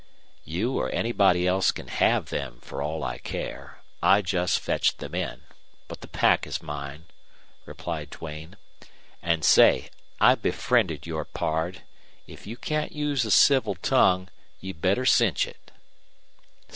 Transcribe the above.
"You or anybody else can have them, for all I care. I just fetched them in. But the pack is mine," replied Duane. "And say, I befriended your pard. If you can't use a civil tongue you'd better cinch it."